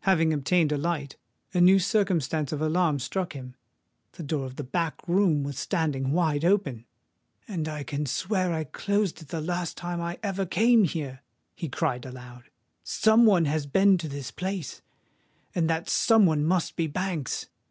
Having obtained a light, a new circumstance of alarm struck him: the door of the back room was standing wide open! "And I can swear that I closed it the last time I ever came here!" he cried aloud. "Some one has been to this place;—and that some one must be Banks!